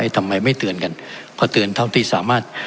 ทำไมไม่เตือนกันเพราะเตือนเท่าที่สามารถ